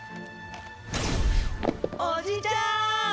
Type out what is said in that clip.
おじちゃん！